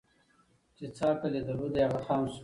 چي څه عقل یې درلودی هغه خام سو